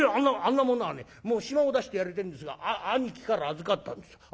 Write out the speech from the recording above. あんな者はねもう暇を出してやりてえんですがあ兄貴から預かったんです。